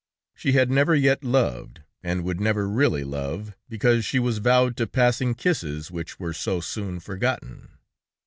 She had never yet loved, and would never really love, because she was vowed to passing kisses which were so soon forgotten.